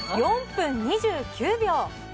４分２９秒！